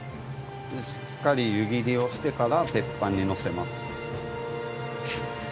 しっかり湯切りをしてから鉄板にのせます。